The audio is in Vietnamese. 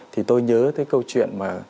thì tôi nhớ tới câu chuyện